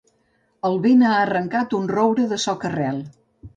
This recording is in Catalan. El vent ha arrencat un roure de soca-rel.